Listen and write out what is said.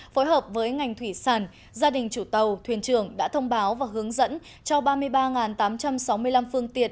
phối hợp với ngành thủy sản gia đình chủ tàu thuyền trưởng đã thông báo và hướng dẫn cho ba mươi ba tám trăm sáu mươi năm phương tiện